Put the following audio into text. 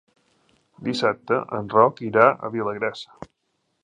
Dissabte en Roc irà a Vilagrassa.